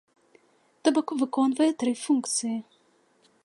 То бок, выконвае тры функцыі.